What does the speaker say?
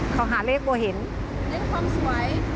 เขาหาเลขบัวเห็นเลขความสวย